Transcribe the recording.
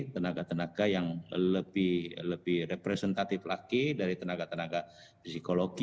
tenaga tenaga yang lebih representatif lagi dari tenaga tenaga psikologi